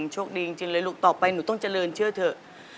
โชคดีจริงเลยลูกต่อไปหนูต้องเจริญเชื่อเถอะ